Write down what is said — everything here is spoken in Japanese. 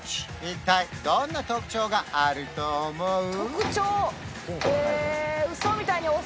一体どんな特徴があると思う？